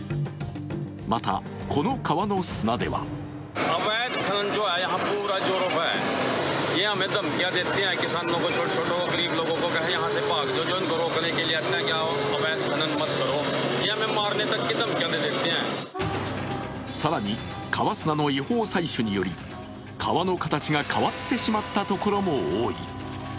また、この川の砂では更に、川砂の違法採取により川の形が変わってしまったところも多い。